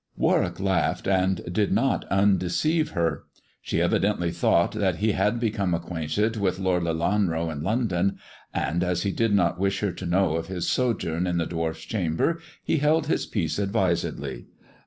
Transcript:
Warwick laughed, and did not undeceive her. She evidently thought that he had become acquainted with Lord Lelanro in London, and as he did not wish her to know of his sojourn in the dwarf's chamber, he held his peace advisedly.